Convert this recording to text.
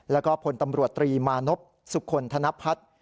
แล้วก็พลตำรวจตรีมานพสุคลธนพัฒน์